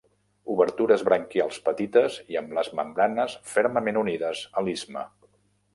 Obertures branquials petites i amb les membranes fermament unides a l'istme.